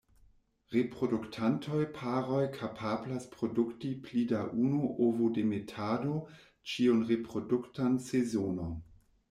Reproduktantaj paroj kapablas produkti pli da unu ovodemetado ĉiun reproduktan sezonon.